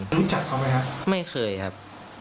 รู้จักเขาไหมครับไม่เคยครับ